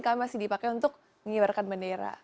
kami masih dipakai untuk mengibarkan bendera